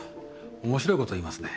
面白いこと言いますね。